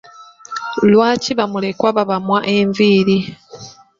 Lwaki ba mulekwa babamwa enviiri?